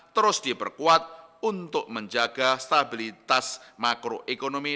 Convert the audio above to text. terus diperkuat untuk menjaga stabilitas makroekonomi